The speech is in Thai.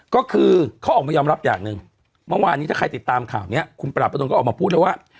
ก็คือเขาออกมายอมรับอย่างหนึ่งเมื่อวานนี้ถ้าใครติดตามข่าวนี้คุณปราบประดนก็ออกมาพูดเลยว่า